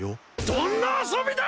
どんな遊びだ！